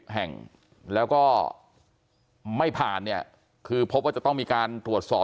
แห่งแล้วก็ไม่ผ่านเนี่ยคือพบว่าจะต้องมีการตรวจสอบ